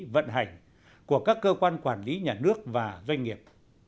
vận hành của các cơ quan quản lý nhà nước và doanh nghiệp